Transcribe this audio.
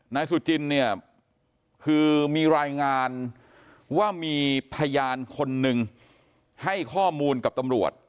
นายสุจินเนี่ยคือมีรายงานว่ามีพยานคนนึงให้ข้อมูลกับตำรวจ